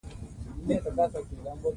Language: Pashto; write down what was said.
بايد دې ته مو پام وي